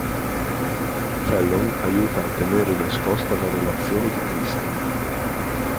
Fallon aiuta a tenere nascosta la relazione di Cristal.